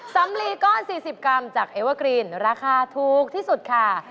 สำลีก้อน๔๐กรัมจากเอเวอร์กรีนราคาถูกที่สุดค่ะ